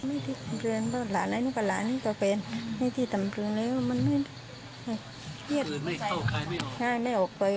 ไม่ได้ตามพื้นหลานนี้ก็เป็นไม่ได้ตามพื้นแล้วมันเย็ด